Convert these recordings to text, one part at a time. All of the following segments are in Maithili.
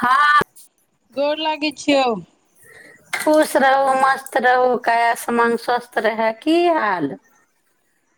हँ गोर लागय छियौ खुश रहू मस्त रहू काया समांग स्वस्थ रहे की हाल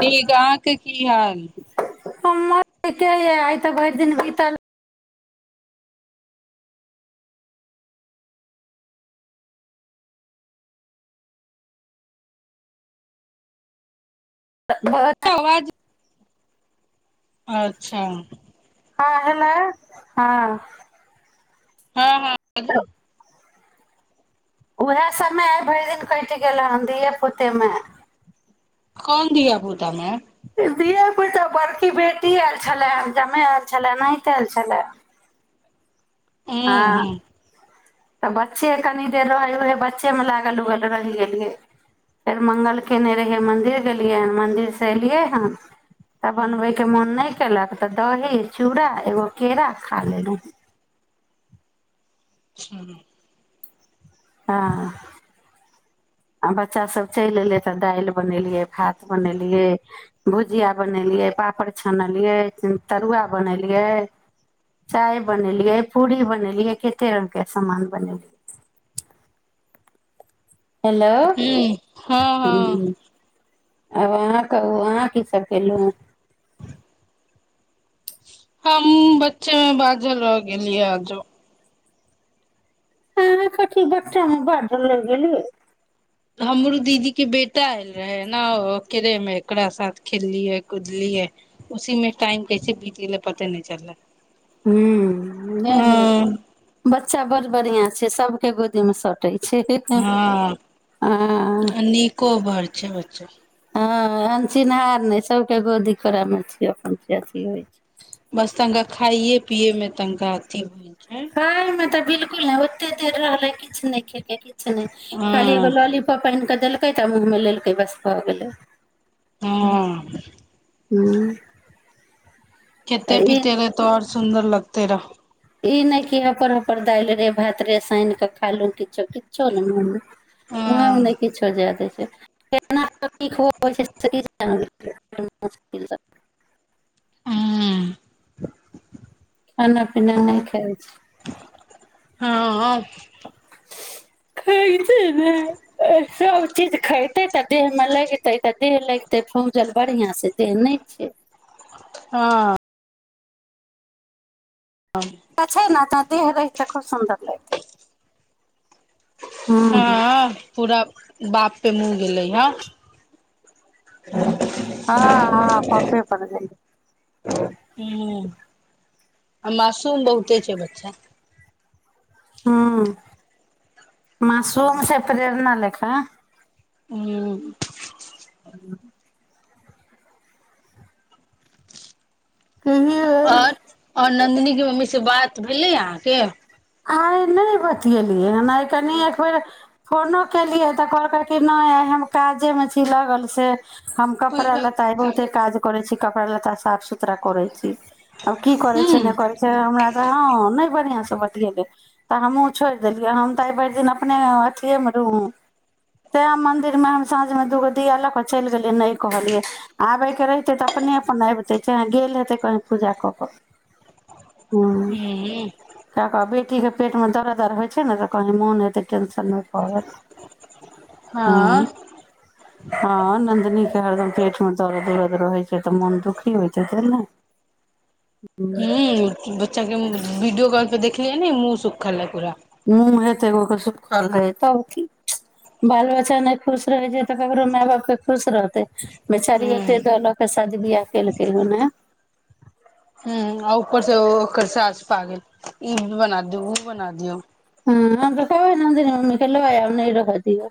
की गांव के की हाल हम्मर के यै आइ तऽ भरि दिन बीतल त भ आवाज अच्छा हँ हेलो हँ हँ हँ बाजू न उएह समय आइ भरि दिन कटि गेल हन धिये पुतेमे कोन धीया पुत धीया पुता बड़ बेटी आयल छलए जमाय आयल छलए नाइत आयल छलए उं हूं तऽ बच्चे कनि देर रहय ओे बच्चेमे लागल उगल रहि गेलियै फेर मंगल कयने रहियै मन्दिर गेलियैन मन्दिरसँ एलियै हन तऽ बनबैके मोन नहि क केलक तऽ दही चूड़ा एगो केरा खा लेलहुं हं हँअ् आ बच्चा सब चलि एलै तऽ दालि बनेलियै भात बनेलियै भुजिया बनेलियै पापड़ छनलियै तरुआ बनेलियै चाय बनेलियै पूड़ी बनेलियै कते रङ्गकेँ सामान बनेलियै हेलो हूं हँ हँ आब अहाँ कहू अहाँ की सभ कयलहुँ हम बच्चे में बाझल रहि गेलिय आजो आहां कथी बच्चा मे बाझल रहि गेलिअइ हमरो दीदी केँ बेटा आयल रहय नेे ओकरे में ओकरा साथ खेललियै कुदलियै उसीमे टाइम कैसे बीत गेलय पते नहि चललै हां द हँ बच्चा बड़ बढ़िया सबकेँ गोदी मे हँ नीको बड़ छैक बच्चा हँ अनचिन्हार नई सबकेँ गोदी कोरा मे छई अपन अथी होइ छैक बस तनिका खाइए पियए मे तनिका अथी हो हँमे तऽ बिलकुल ह [unintelligible] ते देर रहलय किछु नहि खेलकय छु ने खाली एगो हँ लॉलीपॉप आनि केँ देल एकेटा मुँहमे लेलकय बस भऽ गेलय हँ [unintelligible] आ खेते ई पिते ल तोर सुन्दर लगतय रहय ई नहि क हबर हबर दालि रे भात रे सानि कऽ खालु किछो किछो ने मन मुहमे ओने हँ किछु जाय दैत छैक केना [unintelligible] ब [unintelligible] मुशकिल [unintelligible] हँ खाना पीना नहि खाइत छी हँ [inaudible] ख [unintelligible] सब चीज खायते ते तऽ देहमे लगतय तऽ देह लगतय फौजल बढ़िआं सँ देह नहि छैक। हँ [inaudible] तऽ छैक ने त देह रहतय तो खूब सुन्दर लगतय हँ पूरा बाप पे मुँह गेलय हँ हँ हँ पापे पड़ गेलय हू आ मासूम बहुते छैक बच्चा हूं मासूम से प्रेरणा लयक' हुं कहियौ नन्दिनकें मम्मी से बात भेलय अहाँके आइ नहि बतियलियै हेन आ कनि एक बेेर फोनो केलियै तऽ कहलक नहि आ हम काजे मे छी लगल से हम कपड़ा हूँ लता आइ बहुते काज कर छै कपड़ा लता साफ सु तरा करय छी आ की करे छै नहि करे छै हमरा त हं नहि बढ़ियासं गेलियै तऽ हमहूँ छोड़ि देलियै हम तऽ एहि भरि दिन अपने अथिएमे रहू तैँ मन्दिरमे हम साँझमे दू गो दिया लऽ कऽ चलि गेलियै नहि कहलियै आबयके रहितै तऽ अपने अपन अबितै चाहे गेल हेतै कहीँ पूजा कऽ कऽ हूं उं आ बेटीके पेटमे दरद आर होइ छै ने तऽ कहीं मोन हेतै टेंशनमे पड़त हँ हँ नम आदमीकें हरदम पेटमे दरद उरद रहय छै तऽ मोन दुखी होइत हेतय ने ह्म बच्चा के विडियो कॉल प देख देखियै ने मुँह सुखल रहय पूरा मुँह हेतै गो के सुखल रहय तब की बाल बच्चा नहि खुश रहय छै तऽ ककरो माय बापके खुश रहतै बेचारी हूँ ओते दऽ लऽ केऽ शादी बियाह केलकै हने हं आ ऊपर से ओकर सासा पागल ई बना दियौ ओ बना दियौ हँ हम तऽ कहबै ने [unintelligible] नहि रहऽ दिअ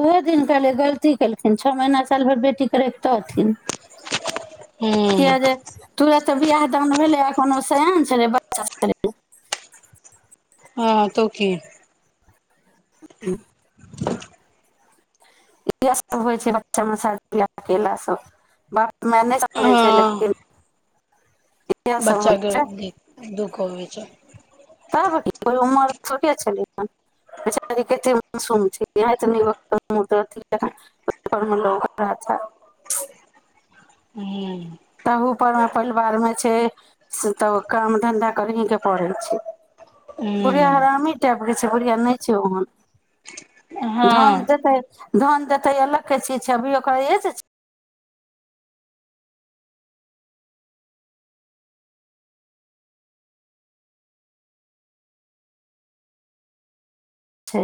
ओहो दिन कहलै गलती केलखिन छओ महीना साल भरि बेटीके रखितथिन हूं कियै जे तु तऽ बियह दान भेलय अखनो सयान छलय बच्चा छलय हँ तो की ह्म इयह सभ होइ छै बच्चामे शादी बियाह कयलासं बाप माय नहि समझै छै लेकिन इएह सब होइ छै बच्चाकें दुख [unintelligible] तब की कोइ उमर थोड़े छलय हन बेचारी कत्ते मसूम छै [unintelligible] हूं ओहोपरमेपरिवारमे छै तऽ काम धन्धा करहिं के पड़ै छै बुढ़िया हूं हरामी टाइपके छै बुढ़िया नहि छै ओहन धन हँ देतै धन देतय अलग के चीज छै अभी ओकर एज छै छै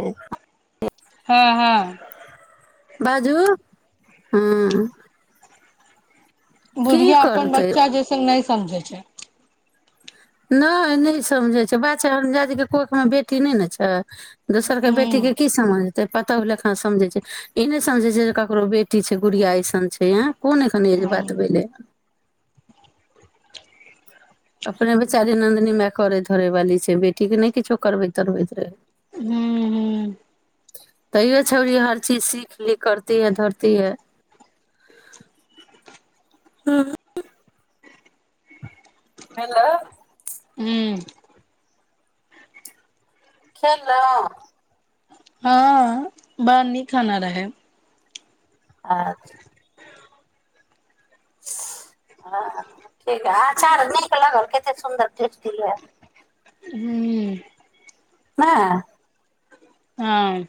हँ हँ बाजू हँ की बुढ़िया अपन करतै बच्चा जइसन नहि समझै छै नहि नहि समझय छै बात छै हरमजादी कोखिमे बेटी नहि ने छै दोसरके हूं बेटीकेँ की समझतै पतहु लेखा समझय छै ई नहि समझय छै जे ककरो बेटी छै गुड़िया अइसन छै एं कोन एखन एज हूं बात भेलय अपने बेचारी नन्दनी माय करे धरे वाली छै बेटीकें नहि किछो करबैत तरबैत रहय हूं हूं तैयो छौड़ी हर चीज सीख लीख करती है धरती है हेलो हूं खेलहुं हँ बड़ा नीक खाना रहय अच्छा ह ठीक है अचार नीक लागल कतेक सुन्दर टेस्टी है हूं [unintelligible] हँ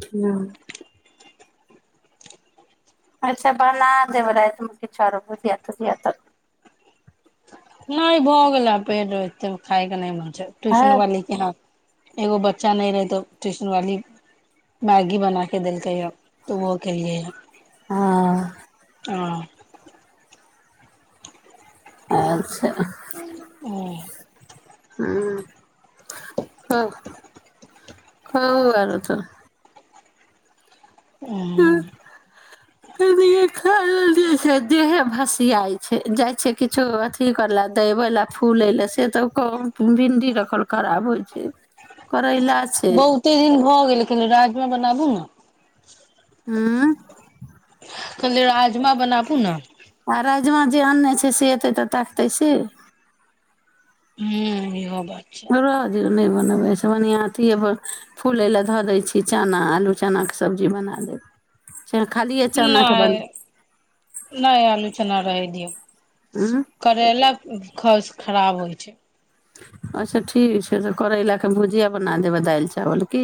ह्म अच्छा बना देब रातिमे किछु आर बुझिया तुझिया तऽ नहि भऽ गेल पेट एत खायके नहि मन ट्यूशन है वाली के यहाँ एगो बच्चा नहि रहै तऽ ट्यूशन वाली मैगी बना क देलकै य तऽ ओहो खेलियै यऽ हँ हँ अच्छा ह्म कहू आरो त हँ खा दलेलियै से देहे भसियाइ छै जाइ छै किछो अथी करला देबे ल फूले ल से त भिंडी रखल खराब होइ छै करैला छै बहुते दिन भऽ गेल कनि राजमा बनाबू ना हँ कले राजमा बनाबू ना आ राजमा जे आनने छै से एतै तऽ ताकतै से हूं इहो बात छै रअह दियौ नहि बनेबै एइस बढ़िआँ अथिए प फूलै लए धऽ दै छी चना आलू चनाके सब्जी बना लेब नहि नहि आलू चना रह दियऔ उँ करैला ख खराब होइ छै अच्छा ठीक छै तऽ करैला केऽ भुजिया बना देबै दालि चावल की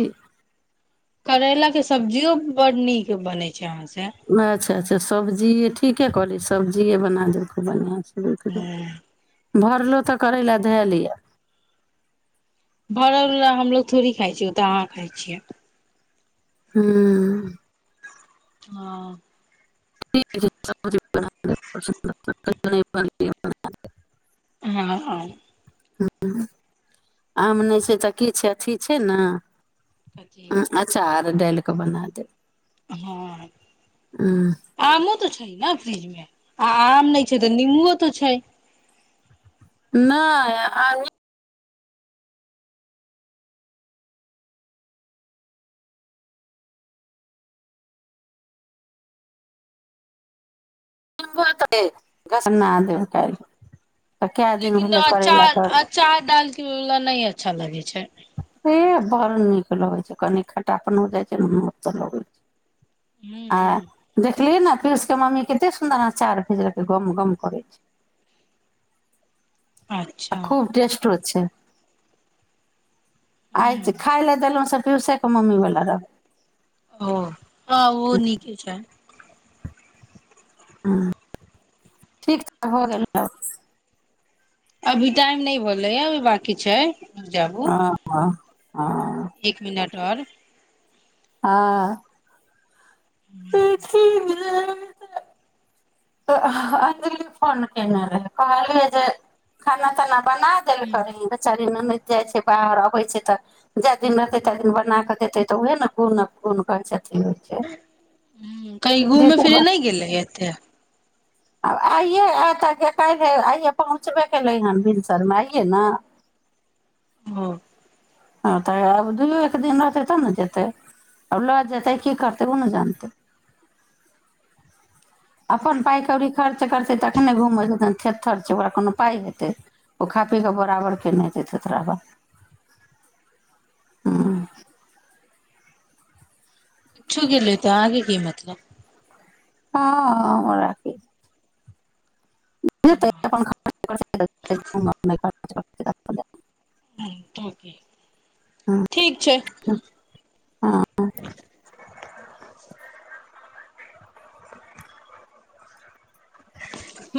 करैला के सब्जियो बड नीक बनै छै अहाँ से अच्छा अच्छा सब्जीये ठी ठीके करी सब्जिए बना देब खूब बढ़ियांसँ ध कै भरलो तऽ करैला धए ले अ भड़वला हमलोग थोड़ी खाइ छिय ओ तऽ अहाँ खाइ छियै हम्म हँ [inaudible] हँ हं ह आम नहि छै तऽ की छै अथी छै न कथी ह अच्छा डालिकऽ बना देब हँ आमो तो छै ने फ्रिज मे आ आम नहि छै तऽ निम्बुओ तऽ छै नहि अ ब घस न देब क लेकिन अंचार अंचार डाल ऐलए नहि अच्छा लगय छै हे बड़ नीक लगैत छै कनि खटापने हो जाइत छै ने तऽ नीक त' लगैत हूँ छै आ हूँ देख देखलियै ने कृषकें मम्मी कते सुन्दर अचार भेजलकै गम गम करय छै आ अच्छा खूब टेस्टो अच्छा आंय हूँ जे खााय लए देलहुँं सब पियूसेकें मम्मी वला रहय ओ हं ओहो नीके छै ह ठीक छै हो गेलय बा अभी टाइम नहि भेलय अभी बांकी छै जाबू आ आ आ अ एक मिनट आओर आ अ फोन केने रहय कहलियै जे खाना ताना बना देल हूँ करहि बच्चाकें उनहु जाइ छै बाहर अबै छै तऽ जा जे एतै तकरे बनाक देतै। तऽ उह ने कोन कोन कहय छै ठी होइ छै हूं कही घूमे फिरे दीदी नहि गेले हेतए आब आइये आयत काल्हि आइयए पहुँचबे कयलै हन भिनसरमे आइयए ने हँ हँ तऽ आब दुइओ एक दिन रहतै तब ने जेतय आब लऽ जेतय की करतै ओ ने जानतै अपन पाइ कौड़ी खर्च करतै तखने घूमबय जे तय थेतथर छै ओकरा कोनो पाइ हेतै ओ खा पी कऽ बराबरके नहि हेतै थेथराह बा आं कछु गेल ले तऽ आगे की मतलब हँ राखय [unintelligible] [unintelligible] तोंकी ह ह [unintelligible] म